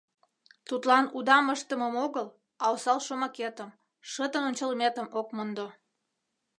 Тудлан удам ыштымым огыл, а осал шомакетым, шыдын ончалметым ок мондо.